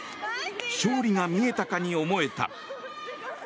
勝利が見えたかに思えた。